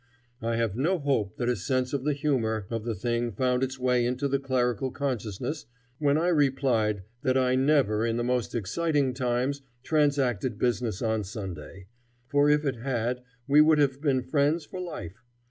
I have no hope that a sense of the humor of the thing found its way into the clerical consciousness when I replied that I never in the most exciting times transacted business on Sunday; for if it had, we would have been friends for life.